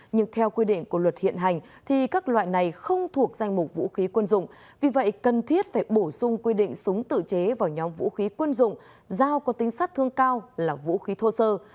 nhưng theo quy định của luật hiện hành thì các loại này không thuộc danh mục vũ khí quân dụng vì vậy cần thiết phải bổ sung quy định súng tự chế vào nhóm vũ khí quân dụng giao có tính sát thương cao là vũ khí thô sơ